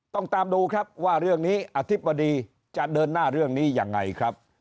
ตามดูครับว่าเรื่องนี้อธิบดีจะเดินหน้าเรื่องนี้ยังไงครับ